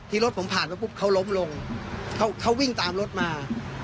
รถผมผ่านไปปุ๊บเขาล้มลงเขาวิ่งตามรถมา